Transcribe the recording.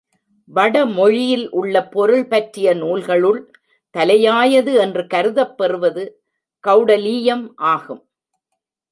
வடமொழியில் உள்ள பொருள் பற்றிய நூல்களுள் தலையாயது என்று கருதப் பெறுவது கெளடலீயம் ஆகும்.